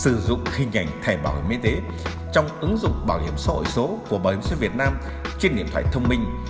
sử dụng hình ảnh thẻ bảo hiểm y tế trong ứng dụng bảo hiểm xã hội số của bảo hiểm xã hội việt nam trên điện thoại thông minh